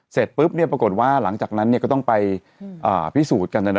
เสร็จปุ๊บเนี่ยปรากฏว่าหลังจากนั้นเนี่ยก็ต้องไปพิสูจน์กันนะ